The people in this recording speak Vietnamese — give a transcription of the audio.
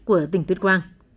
đã được tỉnh tuyết quang phát triển